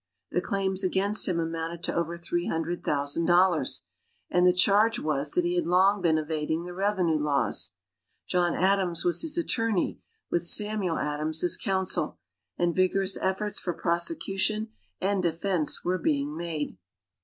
The claims against him amounted to over three hundred thousand dollars, and the charge was that he had long been evading the revenue laws. John Adams was his attorney, with Samuel Adams as counsel, and vigorous efforts for prosecution and defense were being made.